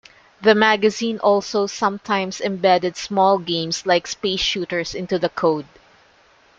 The magazine also sometimes embedded small games like space shooters into the code.